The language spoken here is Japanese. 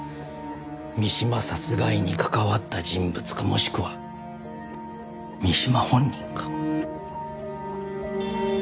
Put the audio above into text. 三島殺害に関わった人物かもしくは三島本人か。